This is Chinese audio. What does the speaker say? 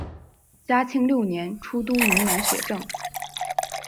嘉庆六年出督云南学政。